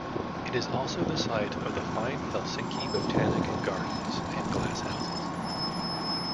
It is also the site of the fine Helsinki Botanic Gardens and glasshouses.